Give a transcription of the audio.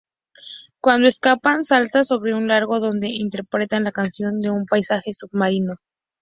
Cuando escapan, saltan sobre un lago donde interpretan la canción en un paisaje submarino.